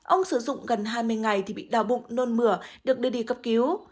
ông sử dụng gần hai mươi ngày thì bị đào bụng nôn mửa được đưa đi cấp cứu